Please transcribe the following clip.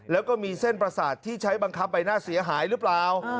แล้วก็มีเส้นประสาทที่ใช้บังคับใบหน้าเสียหายหรือเปล่า